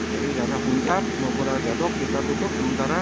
jadi tidak ada puncak tidak ada jadok kita tutup sementara